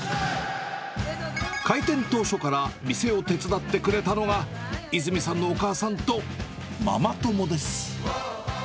開店当初から店を手伝ってくれたのが、泉さんのお母さんとママ友です。